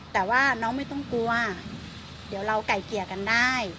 แต่ว่าน้องไม่ต้องกลัวเดี๋ยวเราไก่เกลี่ยกันได้